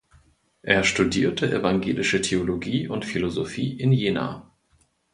Er studierte evangelische Theologie und Philosophie in Jena.